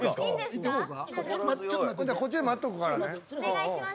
こっちで待っとくからね。